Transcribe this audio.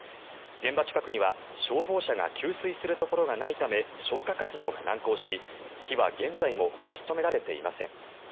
現場近くには消防車が給水するところがないため消火活動が難航し、火は現在も消し止められていません。